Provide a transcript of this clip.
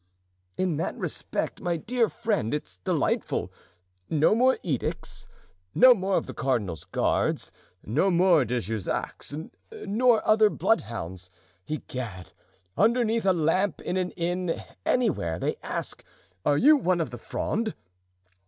"In that respect, my dear friend, it's delightful. No more edicts, no more of the cardinal's guards, no more De Jussacs, nor other bloodhounds. I'Gad! underneath a lamp in an inn, anywhere, they ask 'Are you one of the Fronde?